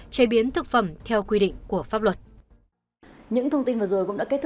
chế biến thực phẩm theo quy định của pháp luật